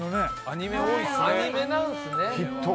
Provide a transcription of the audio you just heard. アニメなんすね。